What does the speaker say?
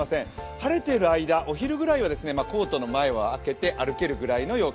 晴れて、お昼ぐらいはコートの前を開けて歩けるぐらいの陽気。